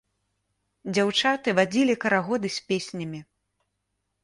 Дзяўчаты вадзілі карагоды з песнямі.